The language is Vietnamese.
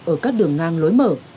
ở các đường ngang lối mở